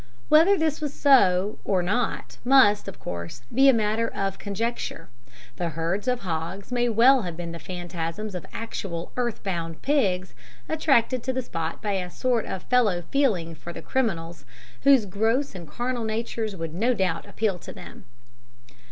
Whether this was so or not must, of course, be a matter of conjecture the herd of hogs may well have been the phantasms of actual earth bound pigs attracted to the spot by a sort of fellow feeling for the criminals, whose gross and carnal natures would no doubt appeal to them.